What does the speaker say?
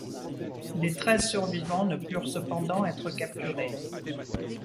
Les treize survivants ne purent cependant être capturés.